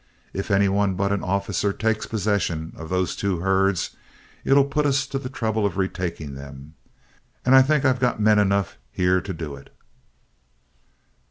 If any one but an officer takes possession of those two herds, it'll put us to the trouble of retaking them. And I think I've got men enough here to do it."